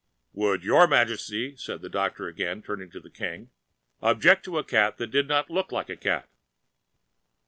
"Would your majesty," said the doctor again, turning to the King, "object to a cat that did not look like a cat?"